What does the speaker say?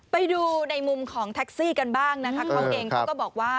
ไปดูในมุมของแท็กซี่กันบ้างนะคะเขาเองเขาก็บอกว่า